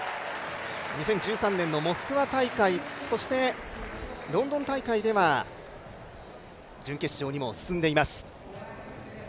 ２０１３年モスクワ大会、そしてロンドン大会では準決勝にも進んでいます。